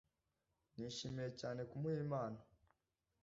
Nishimiye cyane kumuha impano